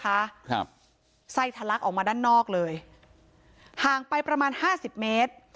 ครับไส้ทะลักออกมาด้านนอกเลยห่างไปประมาณห้าสิบเมตร